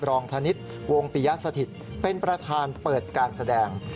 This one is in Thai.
ธนิษฐ์วงปิยสถิตเป็นประธานเปิดการแสดง